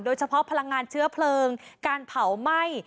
พลังงานเชื้อเพลิงการเผาไหม้